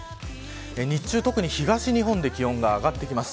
日中、特に東日本で気温が上がってきます。